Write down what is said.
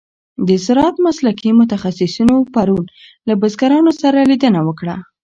د زراعت مسلکي متخصصینو پرون له بزګرانو سره لیدنه وکړه.